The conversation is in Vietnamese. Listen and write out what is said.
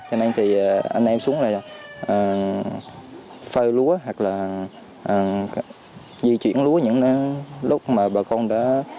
cho nên thì anh em xuống là phơi lúa hoặc là di chuyển lúa những lúc mà bà con đã